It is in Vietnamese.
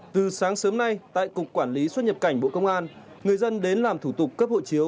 từ sáng sớm nay tại cục quản lý xuất nhập cảnh bộ công an người dân đến làm thủ tục cấp hộ chiếu